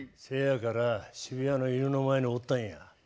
せやから渋谷の犬の前におったんや。